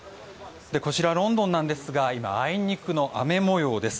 こちらロンドンですが今、あいにくの雨模様です。